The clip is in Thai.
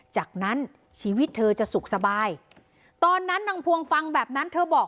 จากนั้นชีวิตเธอจะสุขสบายตอนนั้นนางพวงฟังแบบนั้นเธอบอก